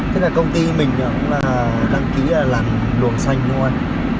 thế là công ty mình cũng là đăng ký làn lùng xanh đúng không anh